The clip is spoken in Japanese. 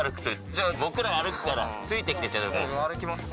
じゃあ僕ら歩くからついて来てちゃんと。